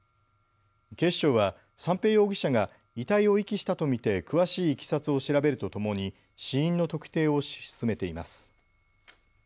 警視庁は三瓶容疑者が遺体を遺棄したと見て詳しいいきさつを調べるとともに死因の特定を進めています。